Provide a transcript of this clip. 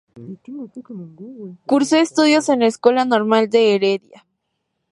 Cursó estudios en la Escuela Normal de Heredia.